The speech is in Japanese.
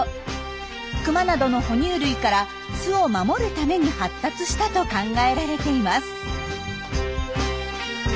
クマなどの哺乳類から巣を守るために発達したと考えられています。